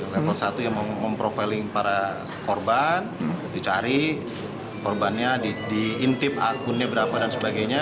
level satu yang memprofiling para korban dicari korbannya diintip akunnya berapa dan sebagainya